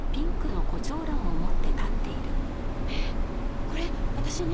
えっこれ私に？